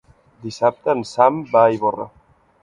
Dissabte en Sam va a Ivorra.